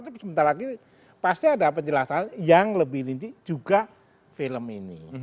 tapi sebentar lagi pasti ada penjelasan yang lebih rinci juga film ini